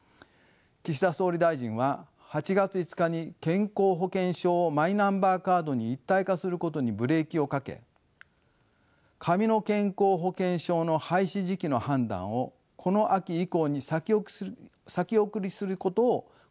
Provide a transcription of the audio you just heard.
岸田総理大臣は８月５日に健康保険証をマイナンバーカードに一体化することにブレーキをかけ紙の健康保険証の廃止時期の判断をこの秋以降に先送りすることを国民に説明しました。